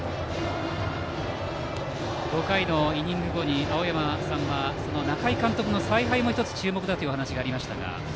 ５回のイニング後に青山さんから中井監督の采配にも１つ注目だと話がありましたが。